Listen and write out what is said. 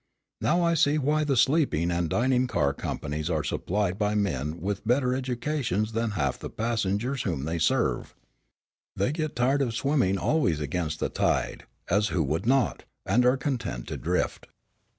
I now see why the sleeping and dining car companies are supplied by men with better educations than half the passengers whom they serve. They get tired of swimming always against the tide, as who would not? and are content to drift.